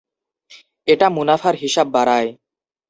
এটা মুনাফার হিসাব বাড়ায়।